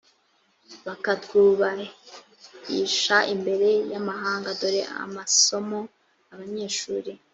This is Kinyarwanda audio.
bukatwubahisha imbere y amahanga. dore amasomo abanyeshuri